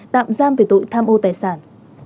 tạm giam về tội tham ô tài sản